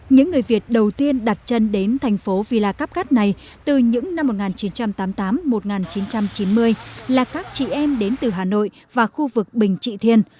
những người việt đầu tiên đặt chân đến thành phố vladupkat này từ những năm một nghìn chín trăm tám mươi tám một nghìn chín trăm chín mươi là các chị em đến từ hà nội và khu vực bình trị thiên